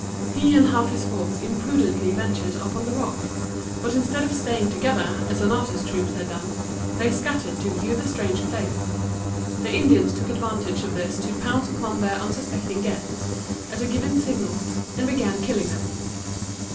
He and half his force imprudently ventured up on the rock; but instead of staying together, as Oñate's troops had done, they scattered to view the strange place. The Indians took advantage of this to pounce upon their unsuspecting guests, at a given signal, and began killing them.